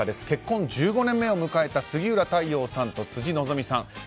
結婚１５年目を迎えた杉浦太陽さんと辻希美さん。